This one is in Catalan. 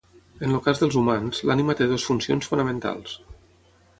En el cas dels humans, l'ànima té dues funcions fonamentals.